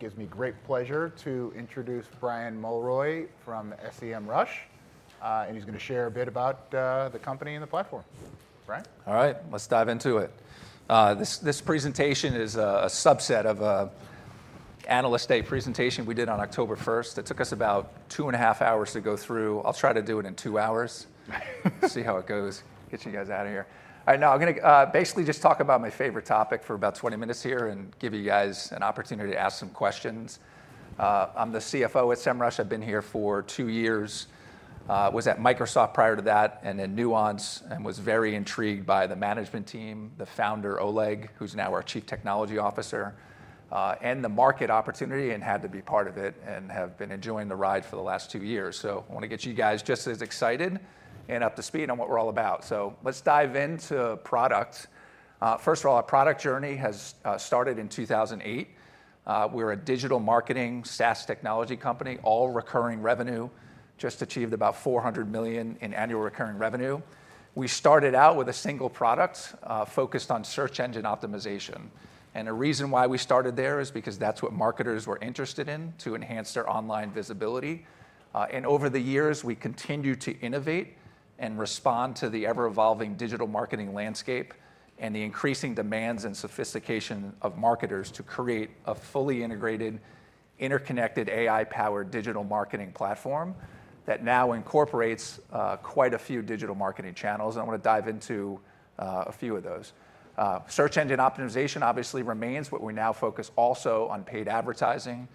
It gives me great pleasure to introduce Brian Mulroy from Semrush, and he's going to share a bit about the company and the platform. Brian? All right, let's dive into it. This presentation is a subset of an analyst day presentation we did on October 1st. It took us about two and a half hours to go through. I'll try to do it in two hours, see how it goes, get you guys out of here. All right, now I'm going to basically just talk about my favorite topic for about 20 minutes here and give you guys an opportunity to ask some questions. I'm the CFO at Semrush. I've been here for two years, was at Microsoft prior to that, and then Nuance, and was very intrigued by the management team, the founder Oleg, who's now our Chief Technology Officer, and the market opportunity, and had to be part of it, and have been enjoying the ride for the last two years. I want to get you guys just as excited and up to speed on what we're all about. Let's dive into products. First of all, our product journey started in 2008. We're a digital marketing SaaS technology company, all recurring revenue, just achieved about $400 million in annual recurring revenue. We started out with a single product focused on search engine optimization. The reason why we started there is because that's what marketers were interested in, to enhance their online visibility. Over the years, we continue to innovate and respond to the ever-evolving digital marketing landscape and the increasing demands and sophistication of marketers to create a fully integrated, interconnected, AI-powered digital marketing platform that now incorporates quite a few digital marketing channels. I want to dive into a few of those. Search engine optimization obviously remains, but we now focus also on paid advertising,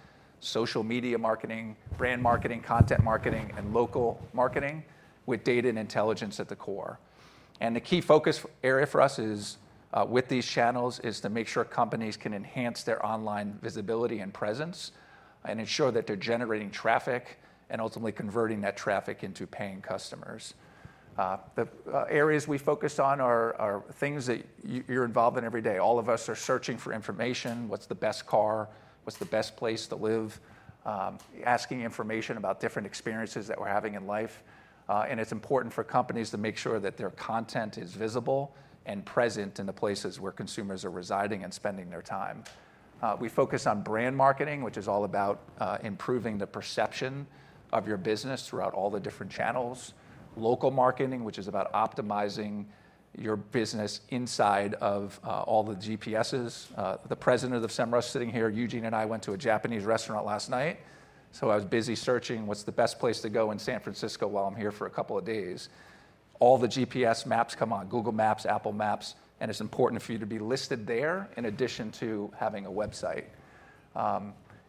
social media marketing, brand marketing, content marketing, and local marketing with data and intelligence at the core. The key focus area for us with these channels is to make sure companies can enhance their online visibility and presence and ensure that they're generating traffic and ultimately converting that traffic into paying customers. The areas we focus on are things that you're involved in every day. All of us are searching for information, what's the best car, what's the best place to live, asking information about different experiences that we're having in life. It's important for companies to make sure that their content is visible and present in the places where consumers are residing and spending their time. We focus on brand marketing, which is all about improving the perception of your business throughout all the different channels. Local marketing, which is about optimizing your business inside of all the GPSs. The President of Semrush sitting here, Eugene and I went to a Japanese restaurant last night, so I was busy searching what's the best place to go in San Francisco while I'm here for a couple of days. All the GPS maps come on Google Maps, Apple Maps, and it's important for you to be listed there in addition to having a website.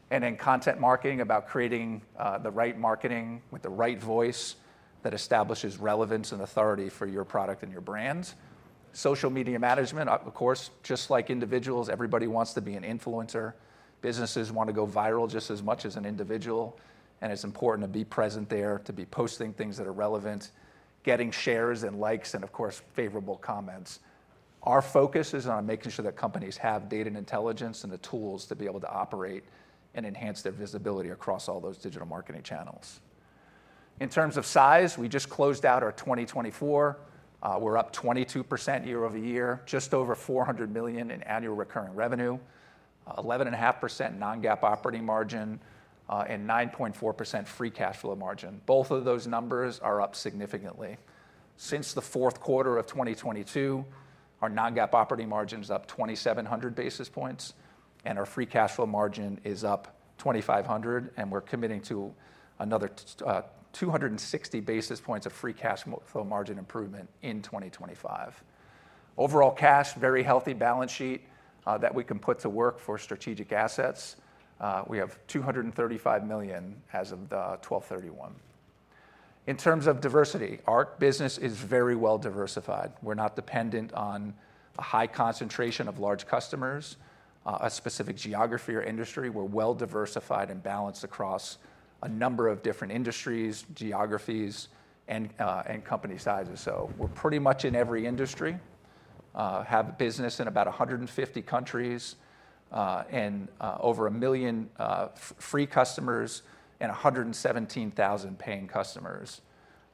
Then content marketing, about creating the right marketing with the right voice that establishes relevance and authority for your product and your brand. Social media management, of course, just like individuals, everybody wants to be an influencer. Businesses want to go viral just as much as an individual. It is important to be present there, to be posting things that are relevant, getting shares and likes, and of course, favorable comments. Our focus is on making sure that companies have data and intelligence and the tools to be able to operate and enhance their visibility across all those digital marketing channels. In terms of size, we just closed out our 2024. We are up 22% year over year, just over $400 million in annual recurring revenue, 11.5% non-GAAP operating margin, and 9.4% free cash flow margin. Both of those numbers are up significantly. Since the fourth quarter of 2022, our non-GAAP operating margin is up 2,700 basis points, and our free cash flow margin is up 2,500 basis points. We are committing to another 260 basis points of free cash flow margin improvement in 2025. Overall cash, very healthy balance sheet that we can put to work for strategic assets. We have 235 million as of December 31. In terms of diversity, our business is very well diversified. We're not dependent on a high concentration of large customers, a specific geography or industry. We're well diversified and balanced across a number of different industries, geographies, and company sizes. We're pretty much in every industry, have a business in about 150 countries, and over a million free customers and 117,000 paying customers,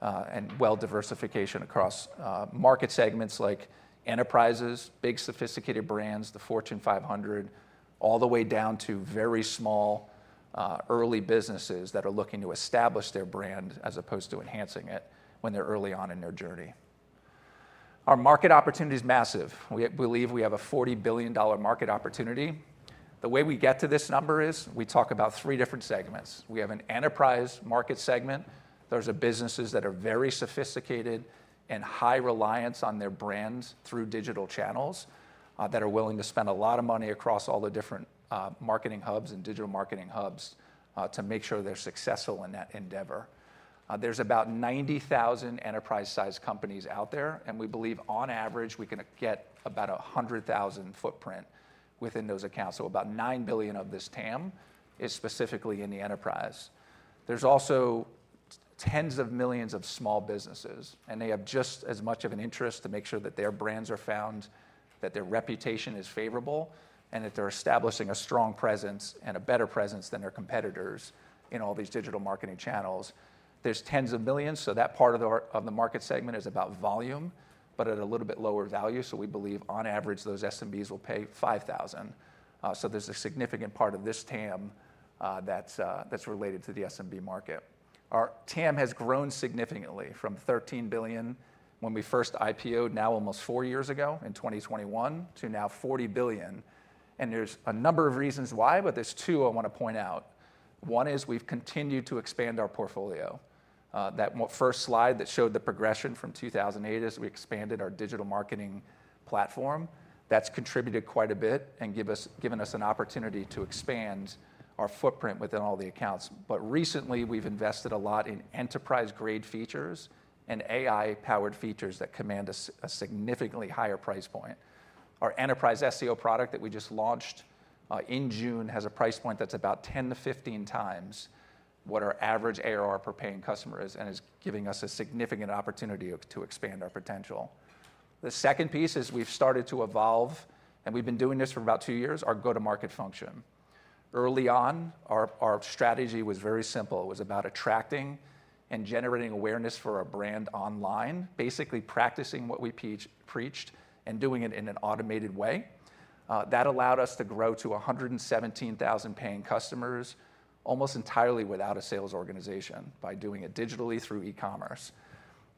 and well diversification across market segments like enterprises, big sophisticated brands, the Fortune 500, all the way down to very small early businesses that are looking to establish their brand as opposed to enhancing it when they're early on in their journey. Our market opportunity is massive. We believe we have a $40 billion market opportunity. The way we get to this number is we talk about three different segments. We have an enterprise market segment. are businesses that are very sophisticated and have high reliance on their brands through digital channels that are willing to spend a lot of money across all the different marketing hubs and digital marketing hubs to make sure they are successful in that endeavor. There are about 90,000 enterprise-sized companies out there, and we believe on average we can get about a $100,000 footprint within those accounts. About $9 billion of this TAM is specifically in the enterprise. There are also tens of millions of small businesses, and they have just as much of an interest to make sure that their brands are found, that their reputation is favorable, and that they are establishing a strong presence and a better presence than their competitors in all these digital marketing channels. There are tens of millions, so that part of the market segment is about volume, but at a little bit lower value. We believe on average those SMBs will pay $5,000. There is a significant part of this TAM that is related to the SMB market. Our TAM has grown significantly from $13 billion when we first IPO'd, now almost four years ago in 2021, to now $40 billion. There are a number of reasons why, but there are two I want to point out. One is we have continued to expand our portfolio. That first slide that showed the progression from 2008 as we expanded our digital marketing platform, that has contributed quite a bit and given us an opportunity to expand our footprint within all the accounts. Recently we have invested a lot in enterprise-grade features and AI-powered features that command a significantly higher price point. Our enterprise SEO product that we just launched in June has a price point that's about 10-15 times what our average ARR per paying customer is and is giving us a significant opportunity to expand our potential. The second piece is we've started to evolve, and we've been doing this for about two years, our go-to-market function. Early on, our strategy was very simple. It was about attracting and generating awareness for our brand online, basically practicing what we preached and doing it in an automated way. That allowed us to grow to 117,000 paying customers almost entirely without a sales organization by doing it digitally through e-commerce.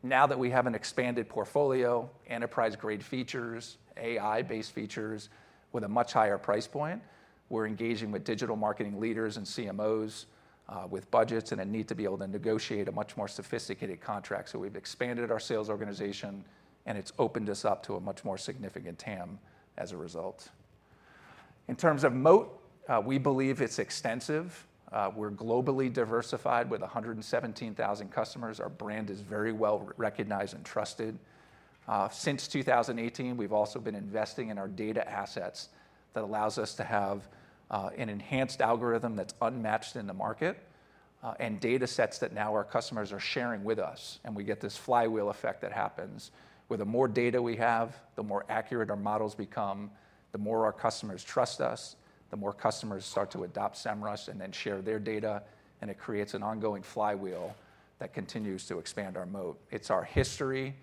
Now that we have an expanded portfolio, enterprise-grade features, AI-based features with a much higher price point, we're engaging with digital marketing leaders and CMOs with budgets and a need to be able to negotiate a much more sophisticated contract. We've expanded our sales organization, and it's opened us up to a much more significant TAM as a result. In terms of moat, we believe it's extensive. We're globally diversified with 117,000 customers. Our brand is very well recognized and trusted. Since 2018, we've also been investing in our data assets that allows us to have an enhanced algorithm that's unmatched in the market and data sets that now our customers are sharing with us. We get this flywheel effect that happens. With the more data we have, the more accurate our models become, the more our customers trust us, the more customers start to adopt Semrush and then share their data, and it creates an ongoing flywheel that continues to expand our moat. It's our history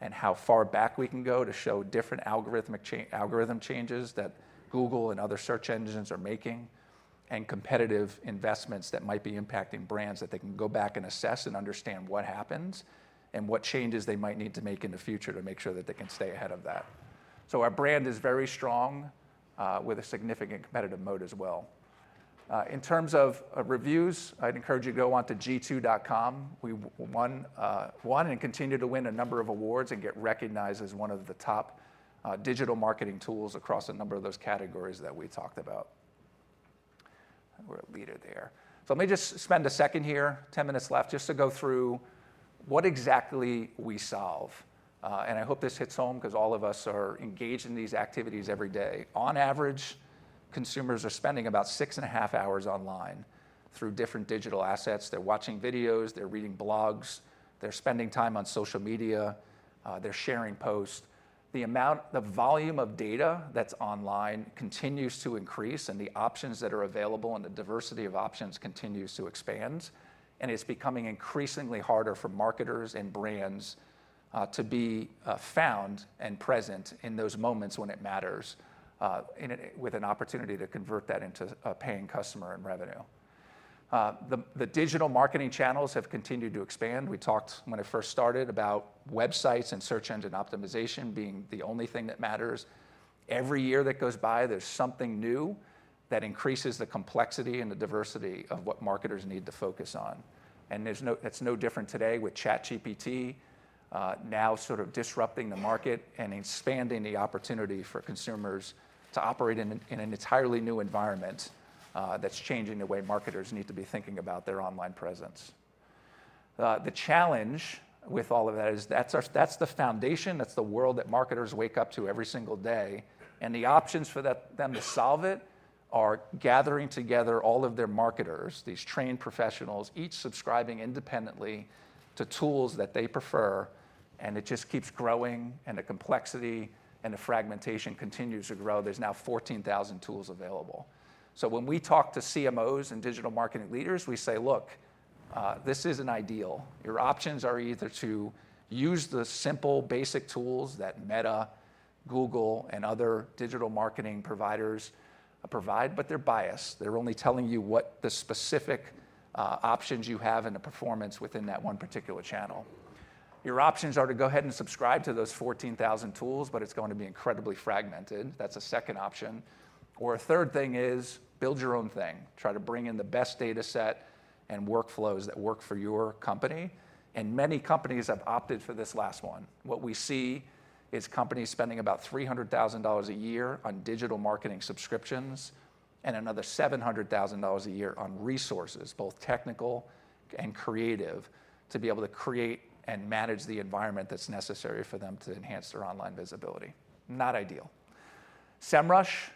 and how far back we can go to show different algorithmic changes that Google and other search engines are making and competitive investments that might be impacting brands that they can go back and assess and understand what happens and what changes they might need to make in the future to make sure that they can stay ahead of that. Our brand is very strong with a significant competitive moat as well. In terms of reviews, I'd encourage you to go on to G2.com. We won and continue to win a number of awards and get recognized as one of the top digital marketing tools across a number of those categories that we talked about. We're a leader there. Let me just spend a second here, 10 minutes left, just to go through what exactly we solve. I hope this hits home because all of us are engaged in these activities every day. On average, consumers are spending about six and a half hours online through different digital assets. They're watching videos, they're reading blogs, they're spending time on social media, they're sharing posts. The volume of data that's online continues to increase, and the options that are available and the diversity of options continues to expand. It's becoming increasingly harder for marketers and brands to be found and present in those moments when it matters with an opportunity to convert that into a paying customer and revenue. The digital marketing channels have continued to expand. We talked when I first started about websites and search engine optimization being the only thing that matters. Every year that goes by, there's something new that increases the complexity and the diversity of what marketers need to focus on. It is no different today with ChatGPT now sort of disrupting the market and expanding the opportunity for consumers to operate in an entirely new environment that's changing the way marketers need to be thinking about their online presence. The challenge with all of that is that's the foundation, that's the world that marketers wake up to every single day. The options for them to solve it are gathering together all of their marketers, these trained professionals, each subscribing independently to tools that they prefer. It just keeps growing, and the complexity and the fragmentation continues to grow. There are now 14,000 tools available. When we talk to CMOs and digital marketing leaders, we say, "Look, this isn't ideal. Your options are either to use the simple, basic tools that Meta, Google, and other digital marketing providers provide, but they're biased. They're only telling you what the specific options you have and the performance within that one particular channel." Your options are to go ahead and subscribe to those 14,000 tools, but it's going to be incredibly fragmented. That's a second option. A third thing is build your own thing. Try to bring in the best data set and workflows that work for your company. Many companies have opted for this last one. What we see is companies spending about $300,000 a year on digital marketing subscriptions and another $700,000 a year on resources, both technical and creative, to be able to create and manage the environment that's necessary for them to enhance their online visibility. Not ideal. Semrush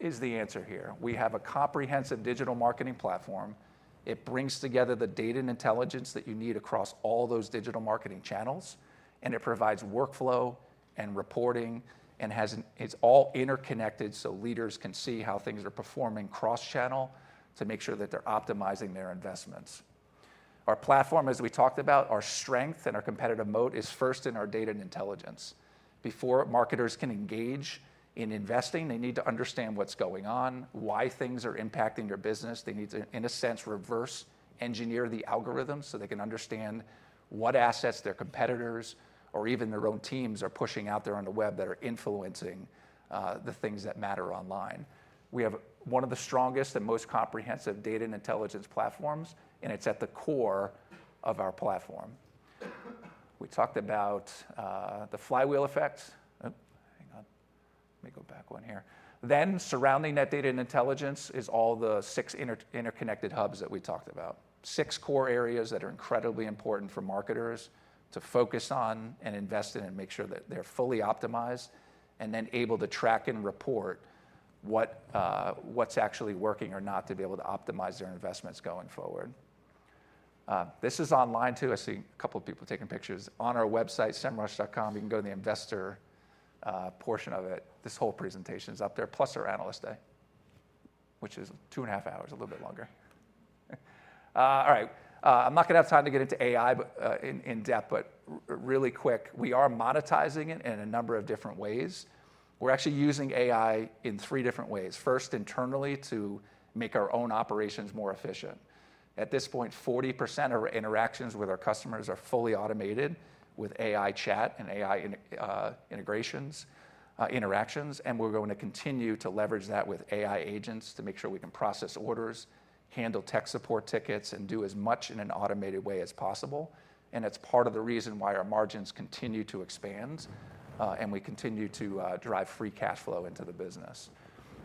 is the answer here. We have a comprehensive digital marketing platform. It brings together the data and intelligence that you need across all those digital marketing channels, and it provides workflow and reporting, and it's all interconnected so leaders can see how things are performing cross-channel to make sure that they're optimizing their investments. Our platform, as we talked about, our strength and our competitive moat is first in our data and intelligence. Before marketers can engage in investing, they need to understand what's going on, why things are impacting their business. They need to, in a sense, reverse engineer the algorithms so they can understand what assets their competitors or even their own teams are pushing out there on the web that are influencing the things that matter online. We have one of the strongest and most comprehensive data and intelligence platforms, and it's at the core of our platform. We talked about the flywheel effect. Hang on. Let me go back one here. Surrounding that data and intelligence is all the six interconnected hubs that we talked about. Six core areas that are incredibly important for marketers to focus on and invest in and make sure that they're fully optimized and then able to track and report what's actually working or not to be able to optimize their investments going forward. This is online too. I see a couple of people taking pictures. On our website, semrush.com, you can go to the investor portion of it. This whole presentation is up there, plus our analyst day, which is two and a half hours, a little bit longer. All right. I'm not going to have time to get into AI in depth, but really quick, we are monetizing it in a number of different ways. We're actually using AI in three different ways. First, internally to make our own operations more efficient. At this point, 40% of our interactions with our customers are fully automated with AI chat and AI integrations, interactions. We're going to continue to leverage that with AI agents to make sure we can process orders, handle tech support tickets, and do as much in an automated way as possible. It's part of the reason why our margins continue to expand and we continue to drive free cash flow into the business.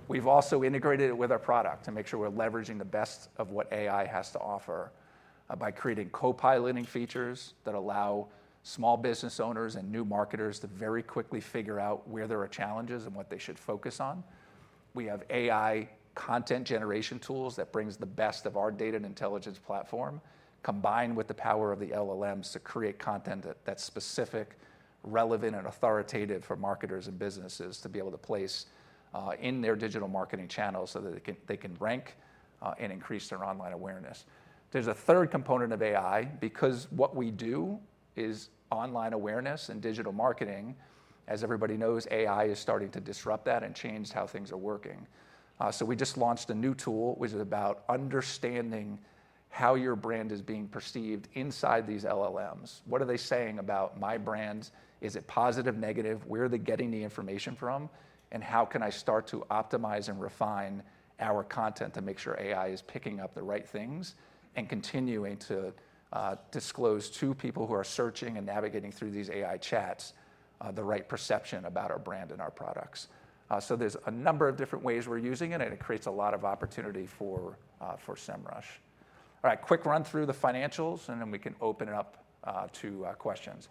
We've also integrated it with our product to make sure we're leveraging the best of what AI has to offer by creating co-piloting features that allow small business owners and new marketers to very quickly figure out where there are challenges and what they should focus on. We have AI content generation tools that brings the best of our data and intelligence platform combined with the power of the LLMs to create content that's specific, relevant, and authoritative for marketers and businesses to be able to place in their digital marketing channels so that they can rank and increase their online awareness. There is a third component of AI because what we do is online awareness and digital marketing. As everybody knows, AI is starting to disrupt that and change how things are working. We just launched a new tool which is about understanding how your brand is being perceived inside these LLMs. What are they saying about my brand? Is it positive, negative? Where are they getting the information from? How can I start to optimize and refine our content to make sure AI is picking up the right things and continuing to disclose to people who are searching and navigating through these AI chats the right perception about our brand and our products? There are a number of different ways we are using it, and it creates a lot of opportunity for Semrush. All right, quick run through the financials, and then we can open it up to questions.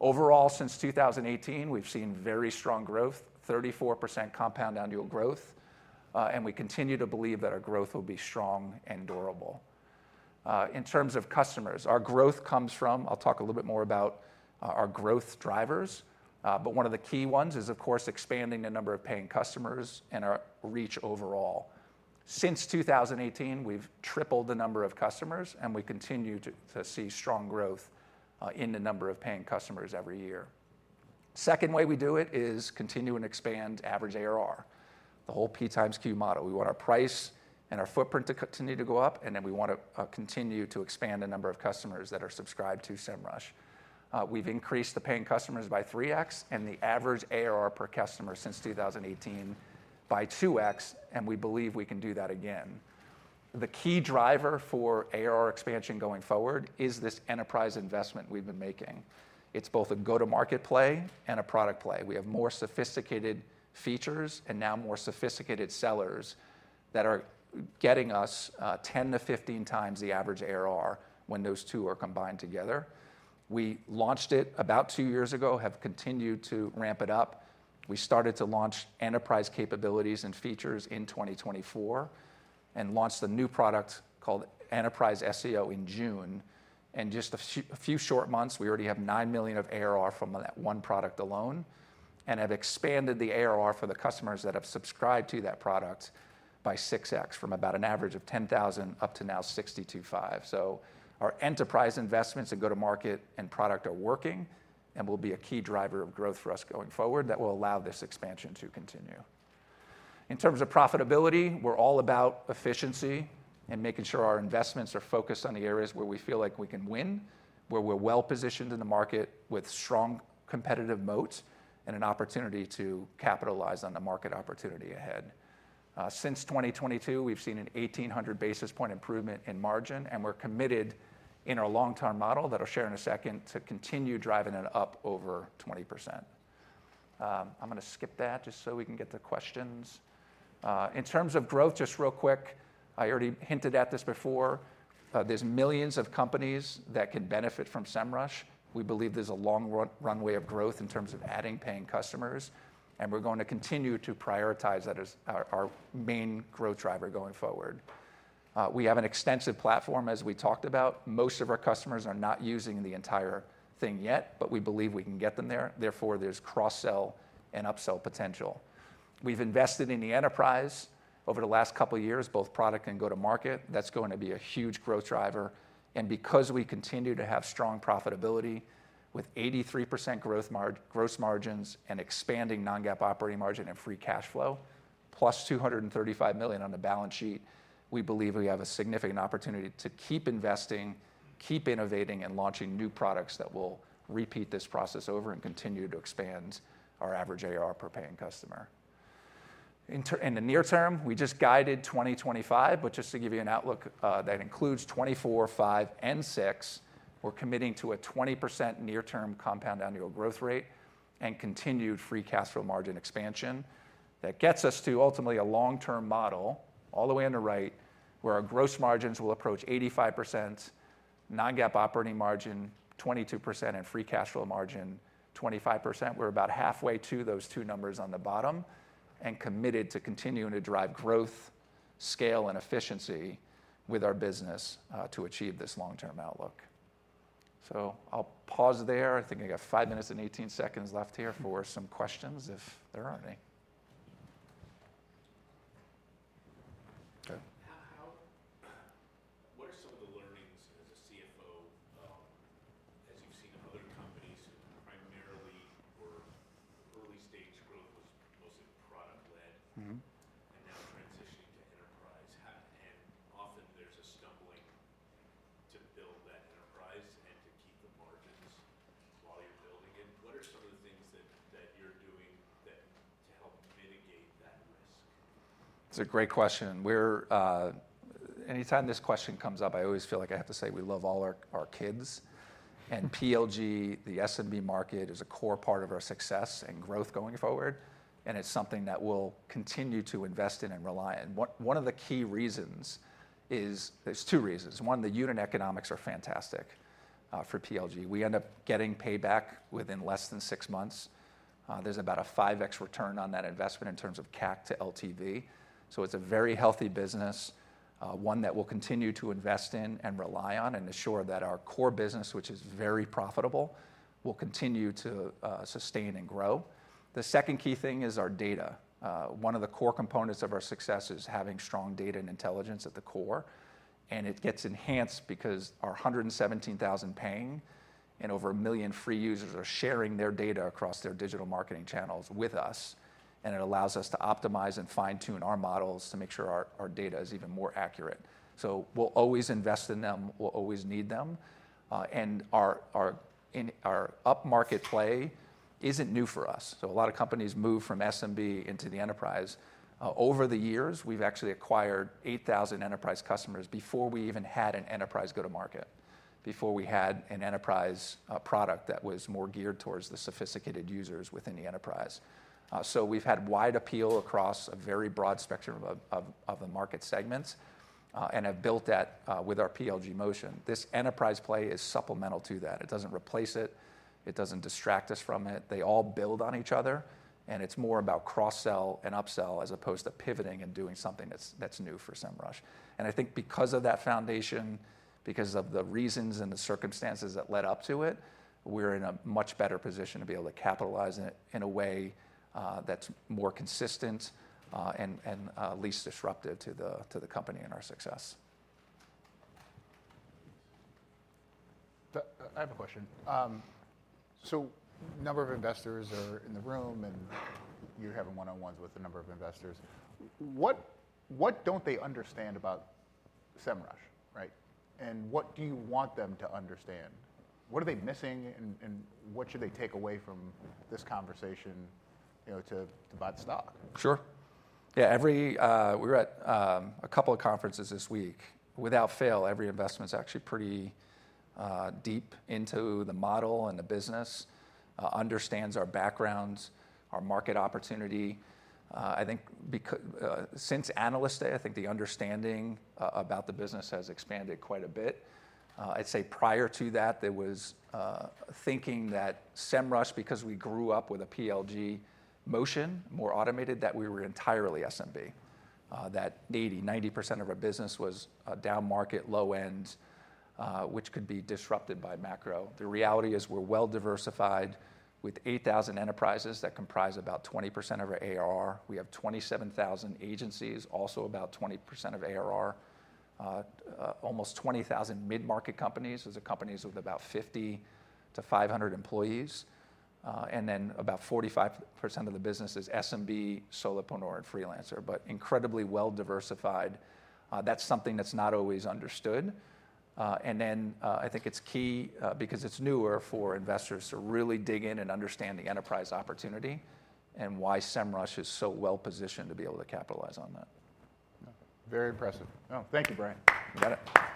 Overall, since 2018, we have seen very strong growth, 34% compound annual growth, and we continue to believe that our growth will be strong and durable. In terms of customers, our growth comes from, I will talk a little bit more about our growth drivers, but one of the key ones is, of course, expanding the number of paying customers and our reach overall. Since 2018, we've tripled the number of customers, and we continue to see strong growth in the number of paying customers every year. Second way we do it is continue and expand average ARR, the whole P times Q model. We want our price and our footprint to continue to go up, and then we want to continue to expand the number of customers that are subscribed to Semrush. We've increased the paying customers by 3X and the average ARR per customer since 2018 by 2X, and we believe we can do that again. The key driver for ARR expansion going forward is this enterprise investment we've been making. It's both a go-to-market play and a product play. We have more sophisticated features and now more sophisticated sellers that are getting us 10-15 times the average ARR when those two are combined together. We launched it about two years ago, have continued to ramp it up. We started to launch enterprise capabilities and features in 2024 and launched the new product called Enterprise SEO in June. In just a few short months, we already have $9 million of ARR from that one product alone and have expanded the ARR for the customers that have subscribed to that product by 6X from about an average of $10,000 up to now $62,500. Our enterprise investments and go-to-market and product are working and will be a key driver of growth for us going forward that will allow this expansion to continue. In terms of profitability, we're all about efficiency and making sure our investments are focused on the areas where we feel like we can win, where we're well positioned in the market with strong competitive moats and an opportunity to capitalize on the market opportunity ahead. Since 2022, we've seen an 1,800 basis point improvement in margin, and we're committed in our long-term model that I'll share in a second to continue driving it up over 20%. I'm going to skip that just so we can get to questions. In terms of growth, just real quick, I already hinted at this before. There's millions of companies that can benefit from Semrush. We believe there's a long runway of growth in terms of adding paying customers, and we're going to continue to prioritize that as our main growth driver going forward. We have an extensive platform, as we talked about. Most of our customers are not using the entire thing yet, but we believe we can get them there. Therefore, there's cross-sell and upsell potential. We've invested in the Enterprise over the last couple of years, both product and go-to-market. That is going to be a huge growth driver. Because we continue to have strong profitability with 83% gross margins and expanding non-GAAP operating margin and free cash flow, plus $235 million on the balance sheet, we believe we have a significant opportunity to keep investing, keep innovating, and launching new products that will repeat this process over and continue to expand our average ARR per paying customer. In the near term, we just guided 2025, but just to give you an outlook that includes 2024, 2025, and 2026, we're committing to a 20% near-term compound annual growth rate and continued free cash flow margin expansion. That gets us to ultimately a long-term model all the way on the right where our gross margins will approach 85%, non-GAAP operating margin 22%, and free cash flow margin 25%. We're about halfway to those two numbers on the bottom and committed to continuing to drive growth, scale, and efficiency with our business to achieve this long-term outlook. I'll pause there. I think I got five minutes and 18 seconds left here for some questions if there are any. What are some of the learnings as a CFO, as you've seen in other companies who primarily were early stage growth was mostly product-led and now transitioning to enterprise? Often there's a stumbling to build that enterprise and to keep the margins while you're building it. What are some of the things that you're doing to help mitigate that risk? That's a great question. Anytime this question comes up, I always feel like I have to say we love all our kids. PLG, the SMB market, is a core part of our success and growth going forward, and it's something that we'll continue to invest in and rely on. One of the key reasons is there's two reasons. One, the unit economics are fantastic for PLG. We end up getting payback within less than six months. There's about a 5X return on that investment in terms of CAC to LTV. It's a very healthy business, one that we'll continue to invest in and rely on and assure that our core business, which is very profitable, will continue to sustain and grow. The second key thing is our data. One of the core components of our success is having strong data and intelligence at the core. It gets enhanced because our 117,000 paying and over a million free users are sharing their data across their digital marketing channels with us, and it allows us to optimize and fine-tune our models to make sure our data is even more accurate. We will always invest in them. We will always need them. Our up-market play is not new for us. A lot of companies moved from SMB into the enterprise. Over the years, we have actually acquired 8,000 enterprise customers before we even had an enterprise go-to-market, before we had an enterprise product that was more geared towards the sophisticated users within the enterprise. We have had wide appeal across a very broad spectrum of the market segments and have built that with our PLG motion. This enterprise play is supplemental to that. It does not replace it. It does not distract us from it. They all build on each other, and it's more about cross-sell and upsell as opposed to pivoting and doing something that's new for Semrush. I think because of that foundation, because of the reasons and the circumstances that led up to it, we're in a much better position to be able to capitalize in a way that's more consistent and least disruptive to the company and our success. I have a question. A number of investors are in the room, and you're having one-on-ones with a number of investors. What don't they understand about Semrush, right? What do you want them to understand? What are they missing, and what should they take away from this conversation to buy the stock? Sure. Yeah. We were at a couple of conferences this week. Without fail, every investment is actually pretty deep into the model and the business, understands our backgrounds, our market opportunity. I think since analyst day, I think the understanding about the business has expanded quite a bit. I'd say prior to that, there was thinking that Semrush, because we grew up with a PLG motion, more automated, that we were entirely SMB, that 80-90% of our business was down market, low end, which could be disrupted by macro. The reality is we're well diversified with 8,000 enterprises that comprise about 20% of our ARR. We have 27,000 agencies, also about 20% of ARR, almost 20,000 mid-market companies as companies with about 50 to 500 employees. Then about 45% of the business is SMB, solopreneur, and freelancer, but incredibly well diversified. That's something that's not always understood. I think it's key because it's newer for investors to really dig in and understand the enterprise opportunity and why Semrush is so well positioned to be able to capitalize on that. Very impressive. Oh, thank you, Brian. You got it.